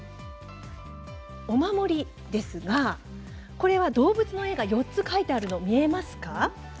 お守りですが動物の絵が４つ描いてあるの見えますか？